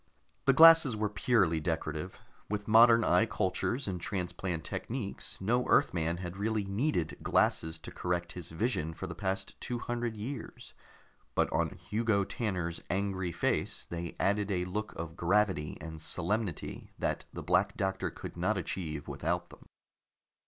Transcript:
The glasses were purely decorative; with modern eye cultures and transplant techniques, no Earthman had really needed glasses to correct his vision for the past two hundred years, but on Hugo Tanner's angry face they added a look of gravity and solemnity that the Black Doctor could not achieve without them.